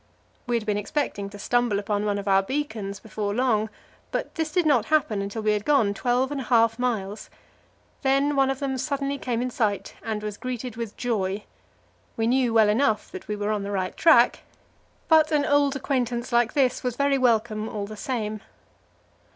We had been expecting to stumble upon one of our beacons before long, but this did not happen until we had gone twelve and a half miles. Then one of them suddenly came in sight, and was greeted with joy. We knew well enough that we were on the right track, but an old acquaintance like this was very welcome all the same.